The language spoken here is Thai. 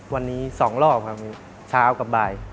วันนี้๒รอบครับพี่เช้ากับบ่าย